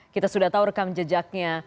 kita sudah tahu rekam jejaknya